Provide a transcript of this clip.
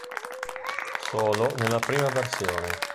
Solo nella prima versione.